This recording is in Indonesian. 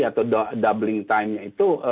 atau doubling time nya itu